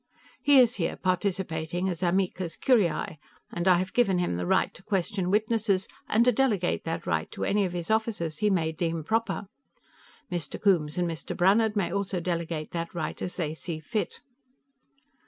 He is here participating as amicus curiae, and I have given him the right to question witnesses and to delegate that right to any of his officers he may deem proper. Mr. Coombes and Mr. Brannhard may also delegate that right as they see fit."